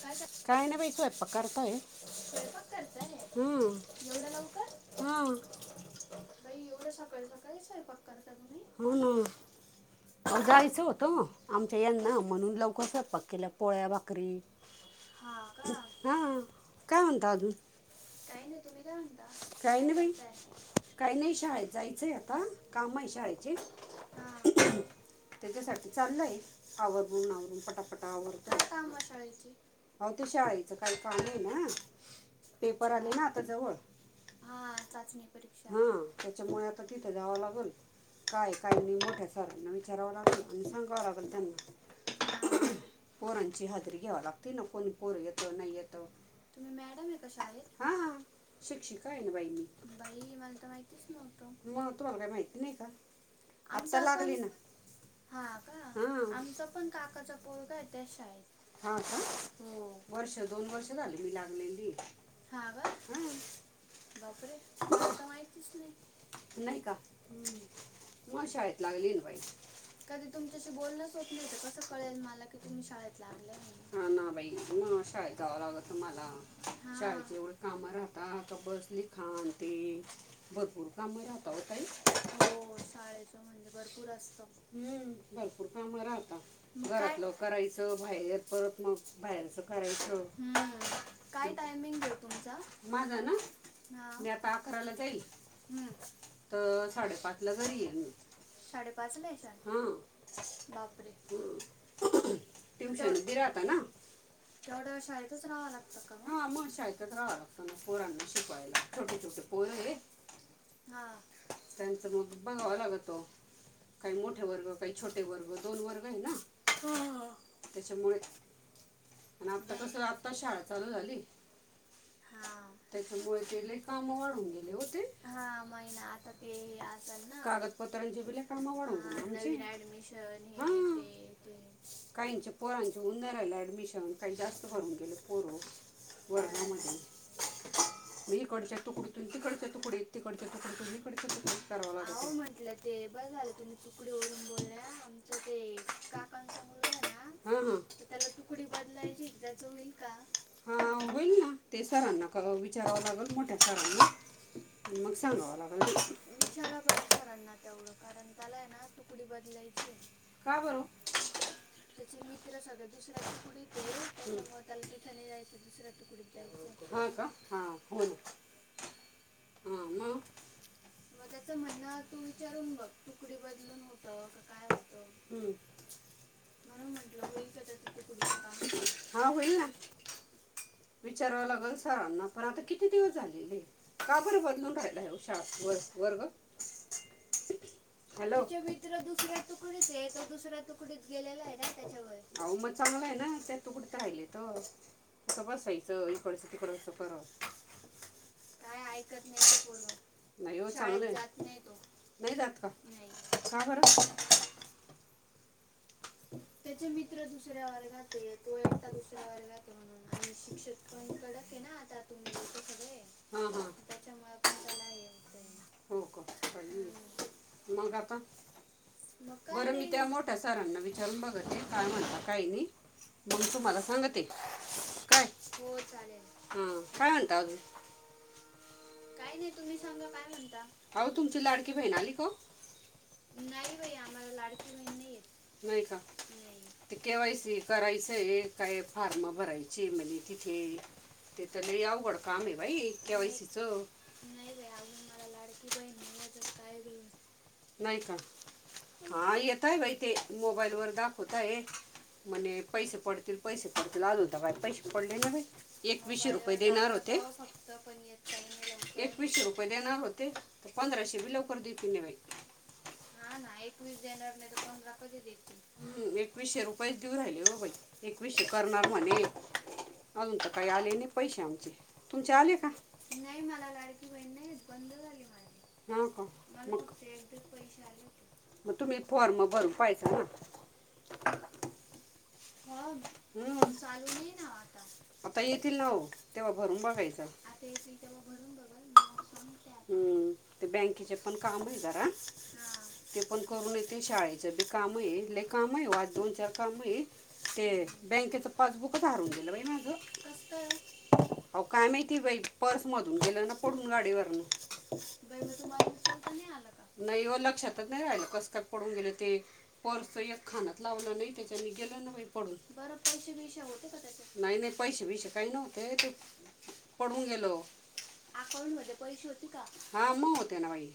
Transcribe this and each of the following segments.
काय करताय? स्वयंपाक करताय? एवढ्या लवकर? हाव ना. जायचं होतं. आमच्या यांना. म्हणून लवकर स्वयंपाक केला. पोळ्या भाकरी. हा काय म्हणता अजून? काय नाही बाई. काही नाही शाळेत जायचंय आता. कामय शाळेचे. त्याच्यासाठी चाललंय. आवरून आवरून पटापटा आवरत. आओ ते शाळेचं काही कामय ना. पेपर आले ना आता जवळ. हा त्याच्यामुळे आता तिथे जावं लागल. काये काय नाही. मोठ्या सरांना विचारावं लागल. आणि सांगावं लागेल त्यांना. पोरांची हाजेरी घ्यावा लाग तीन तिथ. कोणी पोर येत नाही येत. [inaudible] हा. शिक्षिकाय ना बाई मी. म तुम्हाला काय माहिती नाही का? आता लागली ना. हा का? आमचा पण काकाचा पोरगाय त्याच शाळेत. ह. वर्ष दोन वर्ष झाले मी लागलेलीय. हा का? हा. [inaudible] नाही का? म शाळेत लागलीय ना बाई. कधी तुमच्याशी बोलणंच होत नाही. त कसं कळेल मला की तुम्ही शाळेत लागल्याय म्हणून. हा ना बाई. म शाळेत जाव लागत मला. शाळेत एवढ कामं राहाता. की बस लिखाण ते भरपूर कामं राहता ओ ताई. हो शाळेच म्हणजे भरपूर असतं. हम्म भरपूर काम राहता. घरातलं करायचं बाहेर परत मग बाहेरच करायचं. हम्म. काय टायमिंगे ओ तुमचा? माझा ना? मी आता अकराला जाईल. त साडेपाच ला घरी येईल मी. साडे पाचला येता? हं. बापरे! हं. ट्यूशन बी राहतं नां एवढां वेळं शाळेतचं राहावं लागतं कां हां म शाळेतचं राहावं नां पोरांना शिकवांयला छोटे छोटे हां.. त्यांचं मं बघावं लागलं. कांहीं मोठे वर्ग कांहीं छोटे वर्ग दोन वर्ग आहे नां त्यांच्यामुळे बरं हां-हां महिनाभर आंता ते हे असलं नां नवीन ऍडमिशन हे ते ते [unintelligible] पोरांचे हुंन नाहीं राहीले ॲडमिशन कांहीं जास्तं भरूंन गेले पोर वरं [unintelligible] मी इकडच्यां तुकडी तूं तीकडच्यां तुकडीत तीकडच्यां तुकडीतूंन हीकडच्यां तुकडीत करांवा लागतं आवो म्हटलं ते बरं झालं तुम्ही तुकडीवरूंन बोलल्या आमचं ते काकांचा मुलंगा हे नां हं ते त्यांला तुकडी बदलांयची ते त्यांचं होईल कां हां होईल नां ते सरांना कां विचारावं लागलं मोठ्या सरांना. विचारा बरं सरांना तेवढं कारणं त्यांला आहे नां तुकडी बदलांयचीये. कां बंर त्यांचे मित्रं सगळे दुसऱ्यां तुकडीत हे त्यांच्या मुळं त्यांला तिथं नाहीं जायचं दुसऱ्यां तुकडीत जायचयं होयं कां हं हं मं मंग त्याचं म्हणणं तूं विचारूंन बघं तुकडी बदलूंन होतं की कायं होतं. हं म्हणूंन म्हंटलं होईल कां त्यांत तुकडीचं कामं हां होईल नां. विचारवां लागलं सरांना पणं आंता किती दिवसं झाले कां बरं पणं बदलुंन घ्यायचंय त्यां व - वर्ग [unintelligible] [unintelligible] त्यांचे मित्रं दुसऱ्यां तुकडीत हे तो दुसऱ्यां तुकडीत गेलेलाय. त्यांच्यावय चांगलंय नां त्यां तुकडीत राहिले ते. असं बसायचं इकडचं तिकडं असं करावं. कायं ऐकतं नाहीं तो पोरं नाहीं हो चांगल नां. नाहीं जातं कां कां बरं? त्यांचे मित्रं दुसऱ्यांवर्गात हे तो एकटां दुसऱ्यांवर्गाते म्हणूंन आणि शिक्षिक पणं कडक आहे नां आंता तुम्हीं लोकं सगळें हं-हं त्यांच्यामुळे पणं त्यांला हे होतंय. हम्मं हम्मं मंग आंता बरं मी त्यां मोठ्या सरांना वि रुंन बघते कायं म्हणतां कायं नाही मंग तुम्हांला सांगते कायं हो चालेल. हं कायं म्हणतां अजुंन कायं नाहीं तुम्हीं सांगा कायं म्हणतां आवो तुमची लाडकी बहीण आली कां ओ? नाहीं बाई आम्हांला लाडकी बहीण नाहीं येतं. नाही कां ते केवायसी करायचंय कायं फार्म भरांयच आहे चे म्हंने तिथे ते तरं लई अवघंड कामे बाई केवायसीचं. नाहीं बाई अजूंन मलां लाडकी बहीण नाहीं अजुंन कायं वेळं नाहीं कां हां येतांय बाई ते मोबाईल वरं दाखवतांय. म्हंणे पैसे पडतील-पैसे पडतील आंजुन ते कायं पैसे पडले नाहीं बाई एकविसशे रुपये देणारं होते. एकवीसशे रुपये देणारं होते तरं पंधराशे बी लवकरं दे पि नवाई हा ना, एकवीस जानेवर नाही तर पंधरा कधी देतील? हम् एकवीशे रुपयेच देऊ राहिले. हो बाई एकवीसशे करणार म्हणे. अजून तर काही आले नाही पैसे आमचे, तुमचे आले का? [inaudible] बंद झाली माझी, मला फक्त एकदाच पैसे आले होते. मग तुम्ही फॉर्म भरून पाहायंच ना? हो चालू नाही ना ओ आता. आता येतील ना ओ, तेव्हा भरून बघायचं. ते येतील तेव्हा भरून बघल, मग सांग ते आता. बॅंकेचे पण कामं हे जरा हां ते पण करून येते. शाळेचे पण काम हे लई काम हे वो, आज दोन चार काम हे. ते बँकेच पासबुकच हरवलेल बाई माझं. आओ काय माहिती बाई? पर्स मधन गेलं ना पडून गाडीवरन. नाही ओ लक्षातच नाही राहिलं, कस काय पडून गेलं ते. पर्स एक खानात लावलं नाही, त्याच्यानी गेलं न्हवे. प नाही नाही, पैसे बैसे काही नव्हते ते पडून गेलो. अकाउंट मध्ये पैसे होते का? होते ना बाई!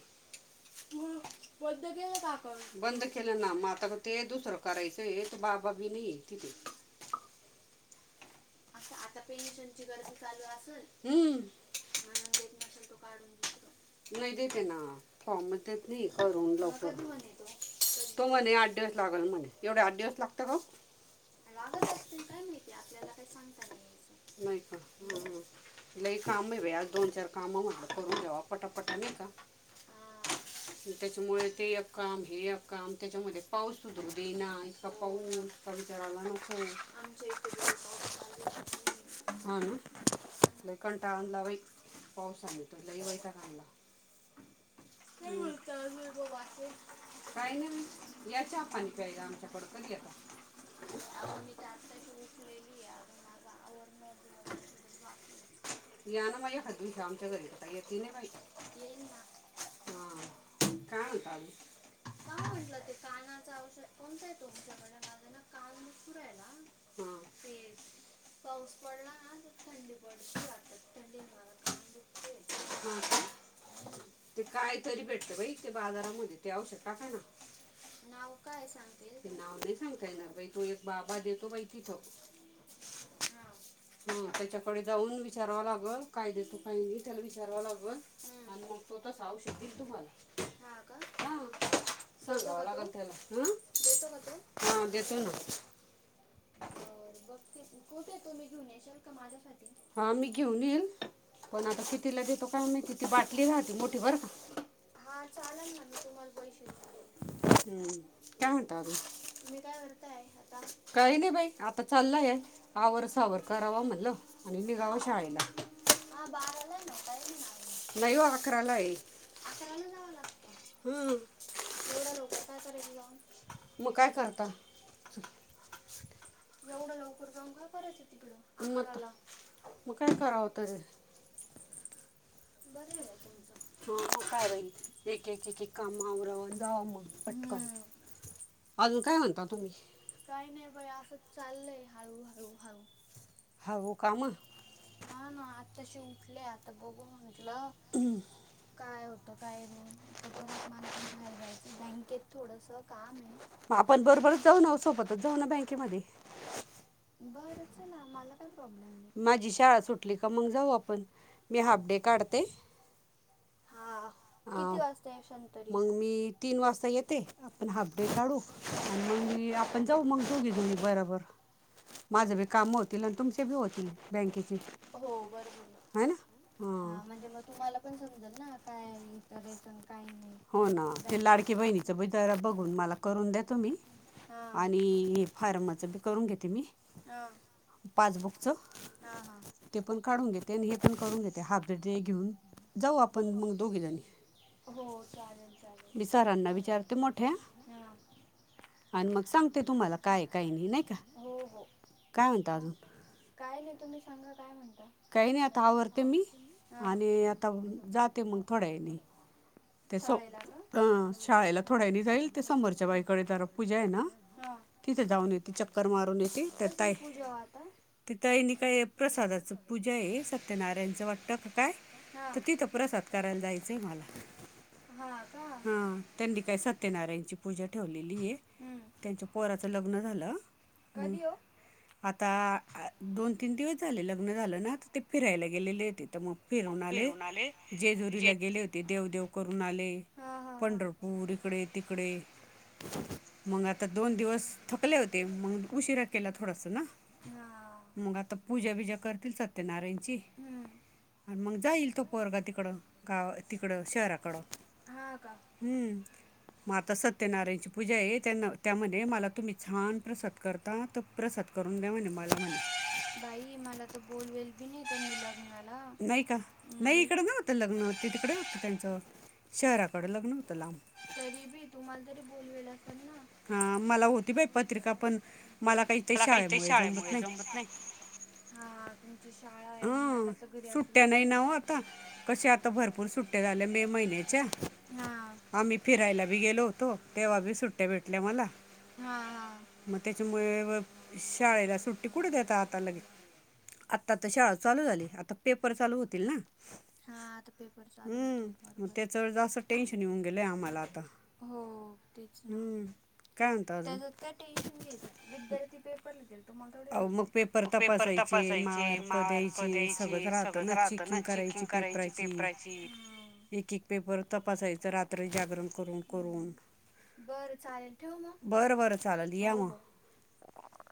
मग. बंद केलं का अकाउंट? [inaudible] तिथे आता आता पेन्शन ची गर्दी चालू असल. म्हणून देत नसेल, तो काढून दुसरं. नाही देते ना फॉर्म, म देत्यात नी करून लवकर. तो म्हणे आठ दिवस लागल म्हणे, एवढे आठ दिवस लागतं का ओ? लागत असतील, काय माहिती आपल्याला. काय सांगता नाही यायचं? पटापटा नाही का? त्याच्यामुळे ते एक काम, हे एक काम त्याच्यामध्ये पाऊस सुधरू देईना. का पाऊन काय वीचाराला नको. इथ बी लै पाऊस चालुच हाय. लई कंटाळा आलता बाई, पावसाने तर लई वैताग आणला. चल मग जावूया गो [unintelligible] काय नाही बाई, या च्या पाणी प्यायला आमच्याकड. कधी येता? आओ मी तर आत्ताशी उठलेली आहे, अजून माझा आवर आवरण सर्वच बाकी ए येईल ना? काय म्हणता मग? काय म्हंटलं ते कानाचं औषध कोणत हाय तुमच्याकड? माझं ना कान दूखु ऱ्हायला, ते पाऊस पडला ना, तर थंडी पडती वाटत, थंडीने माझा कान दुखते. ते काय तरी भेटत बाई ते बाजारामध्ये? ते औषध टाका ना. नाव नाही सांगता येणार, तो एक बाबा देतो बाई तिथ. हा. हा त्याच्याकडे जाऊन विचाराव लागल. काय देतू, काय नाही त्याला विचारावा लागल. [unintelligible] [inaudible] हा का? देतो का तो, देतो का तो? बर बघते कुठे आहे तुम्ही, घेऊन येशल का माझ्यासाठी? पण आता कितीला देतो काय माहिती? ती बाटली राहती मोठी बर का. हा, चालल ना, मी तुम्हाला पैसे देते. काय म्हणतात [unintelligible] काही नाही बाई आता चालला आहे, आवर सावर करावा म्हटलं, आणि निघावं शाळेला. हा, बाराला आहे नव, टाईमे ना अजून अकराला जाव लागत. एवढा लवकर काय करायच जाऊन? एवढ्या लवकर जाऊन काय करायचं तिकड, अकराला? बरे बाय तुमचं, हम्म. [inaudible] अजून काय म्हणता तुम्ही? काही नाही बाई असंच चाललंय, हळू, हळू, हळू. हा ना, आताशी उठले, आता बघू म्हटल काय होतं, काय नाही, आता परत मला पण बाहेर जायचंय, बँकेत थोडस काम आहे. मग आपण बरोबरच जाऊ ना, सोबतच जाऊ ना, बँकेमध्ये. बरं चला, मला काय प्रॉब्लेम नाही, [inaudible] मी हाप डे काढते. [unintelligible] [inaudible] मग मी तीन वाजता येते. आपण हाफ डे काढू, आणि मग मी आपण जाऊ मग दोघी जनी बराबर माझं बी काम होतील, आणि तुमचे बी होतील बँकेचे, ह ना. म्हणजे मग तुम्हाला पण समजल ना, काय करायच, काय नाही. हो ना, ते लाडकीे बहिणीचं बैदारा बघून मला करून द्या तुम्ही आणि हे फारमाचं बी करून घेते मी. हा, हा हा. करून घेते, हाफ द डे घेऊन, जाऊ आपण मग दोघी जनी. हो, चालेल, चालेल, हा. हो हो. काय नाही, तुम्ही सांगा, काय म्हणता? हा [unintelligible] [inaudible] शाळेला का? [unintelligible] [inaudible] [unintelligible] [inaudible] कसली [unintelligible] तिथ आहे न काय प्रसादाच पूजा आहे, सत्यनारायण त्यांचं वाटत का काय, तर तिथं प्रसाद करायला जायचंय मला हा, त्यांनी काय सत्यनारायणची पूजा ठेवलेली आहे, त्यांच्या पोराचं लग्न झालं. कधी ओ? आता दोन तीन दिवस झाले, लग्न झालं ना, आता ते फिरायला गे गेलेले, तिथं मग फिरून आले, जेजुरीला गेले होते, देवदेव करून आले. पंढरपूर इकडे-तिकडे मग आता दोन दिवस थकले होते मग उशिरा केला थोडास ना. हा, मग आता पूजा बीजा करतील सत्यनारायणची हम्म. आणि मग जाईल तो पोरगा तिकडं गाव तिकडं शहराकडं, हा का, हम्म. म आता सत्यनारायणची पूजा आहे त्यान त्यामध्ये मला तुम्ही छान प्रसाद करता तर प्रसाद करून द्या म्हणे मला म्हणे बाई मला त बोल बोलती [unintelligible] ऊणाला नाही का, नाही [unintelligible] [unintelligible] तरी बी तुम्हाला तरी बोलवेल असेल ना? हा मलाऊ मला पत्रिका पण मला काही काही ते शाळे मुळे जमत नाही, हा तुमची शाळा हाय मला सुट्ट्या नाही ना ओ आता, कशे आता भरपूर सुट्ट्या झाल्या मे महिन्याच्या. हा आम्ही फिरायला बी गेलो होतो तेव्हा बी सुट्ट्या भेटल्या मला. हा हा म त्याच्यामुळे व शाळेला सुट्टी कुठे देता आता लगे, आता तर शाळा चालू झाली आता पेपर चालू होतील ना, हा आता पेपर चालू हम्म, म तेच जास टेन्शन येऊन गेलंय आम्हाला आता, हो तेच, हम्. काय म्हणता अजून त्याज्यात काय टेन्शन घ्यायचं असत गलती पेप तुम्हाला थोडी द्याच पेपरच पेपर तपासायचे मार्क द्याय चे सगळच राहतान चेकिंग करायची पेपराची हम्म. एक एक पेपर तपासायचं रात्री जागरण करून करून. बर चालेल ठेऊ म बरं बरं चालेल ये म. [unintelligible]